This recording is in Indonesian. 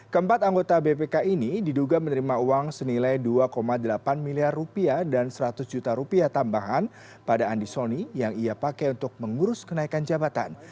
keempat anggota bpk ini diduga menerima uang senilai dua delapan miliar rupiah dan seratus juta rupiah tambahan pada andi soni yang ia pakai untuk mengurus kenaikan jabatan